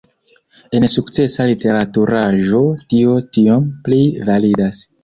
En sukcesa literaturaĵo, tio tiom pli validas.